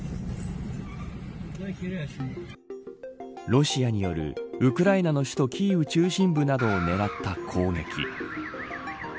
ロシアによるウクライナの首都キーウ中心部などを狙った攻撃。